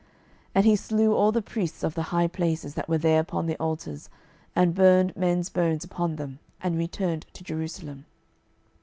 12:023:020 And he slew all the priests of the high places that were there upon the altars, and burned men's bones upon them, and returned to Jerusalem.